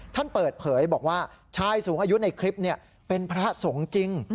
ท่านเปิดเผยบอกว่าชายสูงอายุในคลิปเป็นพระสงฆ์จริง